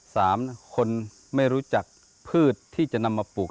สามคนไม่รู้จักพืชที่จะนำมาปลูก